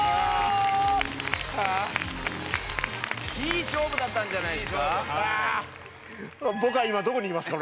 いい勝負だったんじゃないですか？